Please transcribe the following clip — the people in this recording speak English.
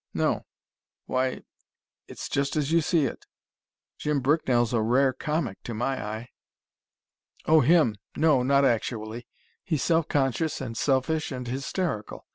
"No why It's just as you see it. Jim Bricknell's a rare comic, to my eye." "Oh, him! no, not actually. He's self conscious and selfish and hysterical.